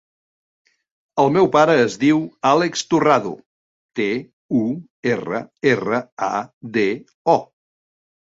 El meu pare es diu Àlex Turrado: te, u, erra, erra, a, de, o.